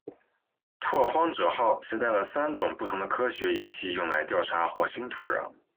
拓荒者号携带了三种不同的科学仪器用来调查火星土壤。